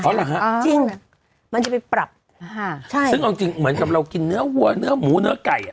เอาล่ะฮะจริงอ่ะมันจะไปปรับใช่ซึ่งเอาจริงเหมือนกับเรากินเนื้อวัวเนื้อหมูเนื้อไก่อ่ะ